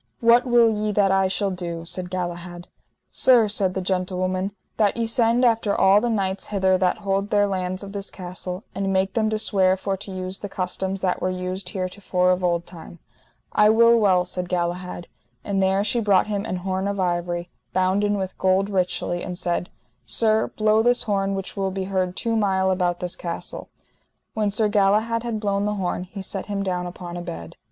What will ye that I shall do? said Galahad. Sir, said the gentlewoman, that ye send after all the knights hither that hold their lands of this castle, and make them to swear for to use the customs that were used heretofore of old time. I will well, said Galahad. And there she brought him an horn of ivory, bounden with gold richly, and said: Sir, blow this horn which will be heard two mile about this castle. When Sir Galahad had blown the horn he set him down upon a bed.